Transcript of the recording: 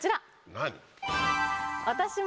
何？